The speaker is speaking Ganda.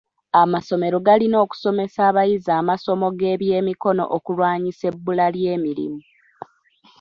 Amasomero galina okusomesa abayizi amasomo g'ebyemikono okulwanyisa ebbula ly'emirimu.